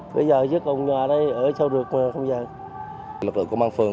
bây giờ dứt ông nhà ở trong lực lượng công an phường